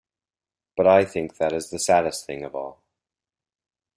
But I think that is the saddest thing of all.